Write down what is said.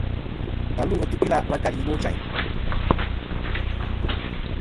Và lu a tu-ila' va keli Ibochayn.